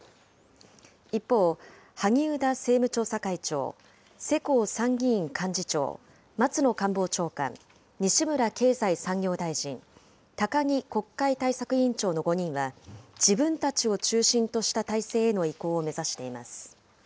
一方、萩生田政務調査会長、世耕参議院幹事長、松野官房長官、西村経済産業大臣、高木国会対策委員長の５人は、自分たちを中心とした体制への移行を目指しています。